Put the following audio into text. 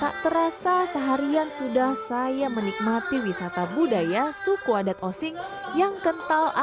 tak terasa seharian sudah saya menikmati wisata budaya suku adat osing yang kental